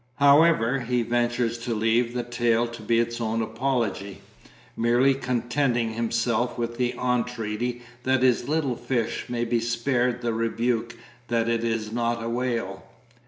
However, he ventures to leave the tale to be its own apology, merely contenting himself with the entreaty that his little fish may be spared the rebuke that it is not a whale.